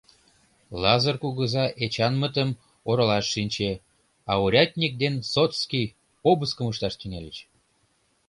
Лазыр кугыза Эчанмытым оролаш шинче, а урядник ден сотский обыскым ышташ тӱҥальыч.